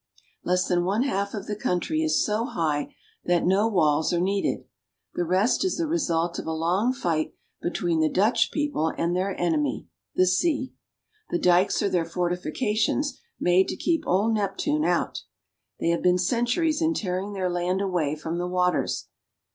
Less than one half the country is so high that no walls are needed. The rest is the result of a long fight be tween the Dutch people and their enemy, the sea. The dikes are their fortifications made to keep old Neptune out. They have been centuries in tearing their land away from the waters.